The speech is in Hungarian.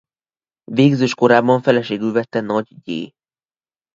Végzős korában feleségül vette Nagy Gy.